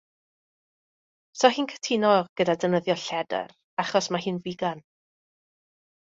'So hi'n cytuno gyda defnyddio lledr achos mae hi'n figan.